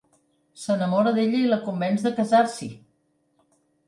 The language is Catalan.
S’enamora d'ella i la convenç de casar-s’hi.